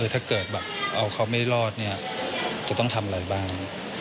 ถ้าเกิดเอาเขาไม่รอดจะต้องทำอะไรบ้าง